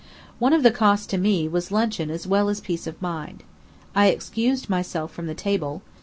One of the costs to me was luncheon as well as peace of mind. I excused myself from the table.